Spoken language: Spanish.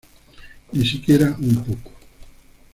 Ni siquiera un poco.